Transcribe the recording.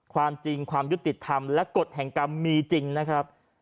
ความจริงความยุติธรรมและกฎแห่งกรรมมีจริงนะครับ